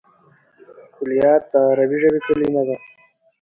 کلیات د عربي ژبي کليمه ده.